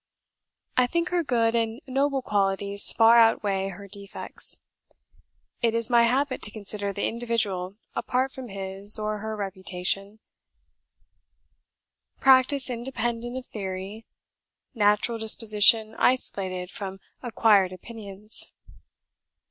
"I think her good and noble qualities far outweigh her defects. It is my habit to consider the individual apart from his (or her) reputation, practice independent of theory, natural disposition isolated from acquired opinions.